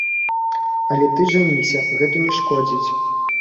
Але ты жаніся, гэта не шкодзіць.